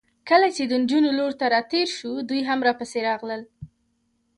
کله چې د نجونو لور ته راتېر شوو، دوی هم راپسې راغلل.